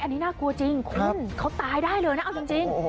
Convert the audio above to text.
ใช่น่ากลัวจริงเขาตายได้เลยนะเอาจริง